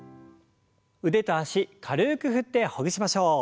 腕と脚軽く振ってほぐしましょう。